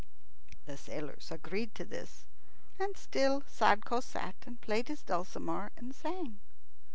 The other sailors agreed to this. And still Sadko sat, and played his dulcimer and sang.